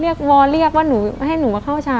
เรียกวอลเรียกว่าให้หนูมาเข้าฉาก